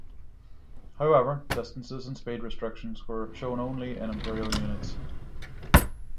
However, distances and speed restrictions are shown only in imperial units.